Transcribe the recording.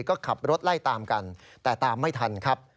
ก็ขับรถไล่ตามกันแต่ตามไม่ทันครับ